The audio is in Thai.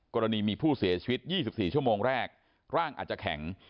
กรณีมีผู้เสียชีวิต๒๔ชั่วโมงแรกร่างอาจจะแข็ง